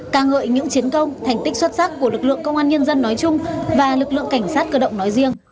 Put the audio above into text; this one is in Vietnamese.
ca ngợi những chiến công thành tích xuất sắc của lực lượng công an nhân dân nói chung và lực lượng cảnh sát cơ động nói riêng